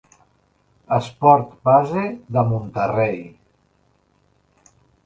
Esport base de Monterrey.